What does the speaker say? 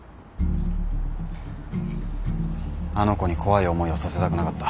あの子に怖い思いをさせたくなかった。